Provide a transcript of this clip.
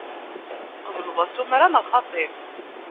Tqebleḍ asumer-a neɣ xaṭi?